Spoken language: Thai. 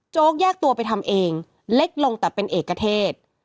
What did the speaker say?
แยกตัวไปทำเองเล็กลงแต่เป็นเอกเทศ